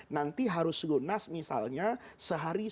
nanti harus lunas misalnya sehari sebelum kambing itu diserah terima kasihnya